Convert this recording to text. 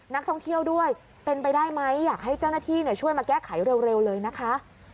นักท่องเที่ยวด้วยเป็นไปได้ไหมอยากให้เจ้าหน้าที่ช่วยมาแก้ไขเร็วเลยนะคะ